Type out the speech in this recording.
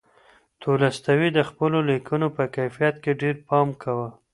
تولستوی د خپلو لیکنو په کیفیت کې ډېر پام کاوه.